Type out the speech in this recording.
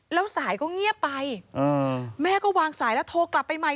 แล้วสายก็เงียบไปแม่ก็วางสายแล้วโทรกลับไปใหม่